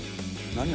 何？